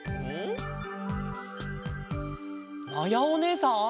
まやおねえさん